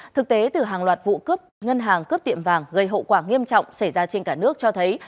thực tế từ hàng loạt vụ cướp ngân hàng cướp tiệm vàng gây hậu quả nghiêm trọng xảy ra trên cả nước cho thấy